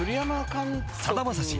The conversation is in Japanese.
［さだまさし